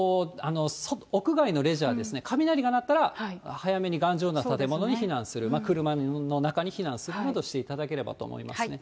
屋外のレジャーですね、雷が鳴ったら、早めに頑丈な建物に避難する、車の中に避難するなどしていただければと思いますね。